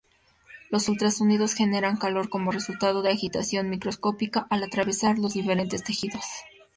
Los ultrasonidos generan calor como resultado de agitación microscópica al atravesar los diferentes tejidos.